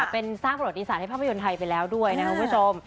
เป็นสร้างประวัติศาสตร์ให้ภาพยนตร์ไทยไปแล้วด้วยนะครับคุณผู้ชม